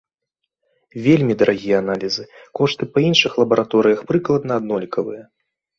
Вельмі дарагія аналізы, кошты па іншых лабараторыях прыкладна аднолькавыя.